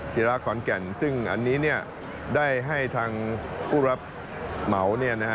จีบร้าขอนแก่นซึ่งอันนี้ได้ให้ทางผู้รับเหมา